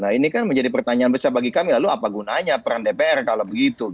nah ini kan menjadi pertanyaan besar bagi kami lalu apa gunanya peran dpr kalau begitu